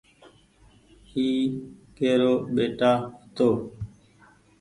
اي ڪيرو ٻيٽآ هيتو ۔